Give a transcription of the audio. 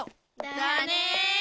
だね！